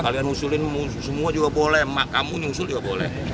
kalian usulin semua juga boleh mak kamu yang usul juga boleh